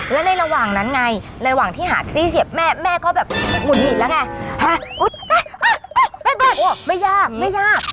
และในระหว่างนั้นไงระหว่างที่หาดซี่เสียบแม่แม่ก็แบบหงุดหงิดแล้วไงแม่บอกไม่ยากไม่ยาก